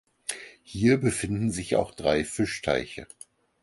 Hier befinden sich auch drei Fischteiche.